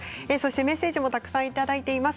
メッセージもたくさんいただいています。